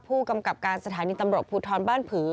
ผู้กำกับการสถานีตำรวจภูทรบ้านผือ